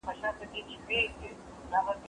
زه کولای سم جواب ورکړم!.